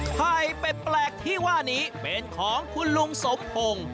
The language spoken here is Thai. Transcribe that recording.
ไข่เป็ดแปลกที่ว่านี้เป็นของคุณลุงสมพงศ์